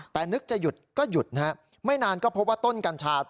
แต่นึกจะหยุดก็หยุดนะฮะไม่นานก็พบว่าต้นกัญชา